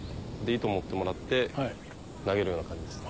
糸持ってもらって投げるような感じですね。